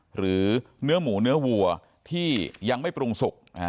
หรือเนื้อหมูเนื้อวัวที่ยังไม่ปรุงสุก